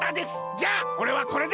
じゃあおれはこれで！